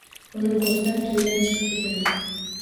Uni koʻrsam, toʻydan chiqib ketaman.